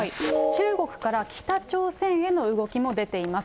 中国から北朝鮮への動きも出ています。